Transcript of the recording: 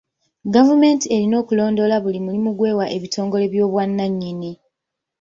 Gavumenti erina okulondoola buli mulimu gw'ewa ebitongole by'obwannannyini.